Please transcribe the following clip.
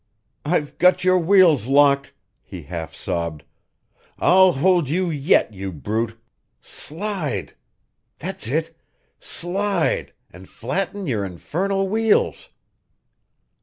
"I've got your wheels locked!" he half sobbed. "I'll hold you yet, you brute. Slide! That's it! Slide, and flatten your infernal wheels.